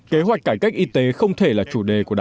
kế hoạch cải cách y tế không thể là chủ đề của đảng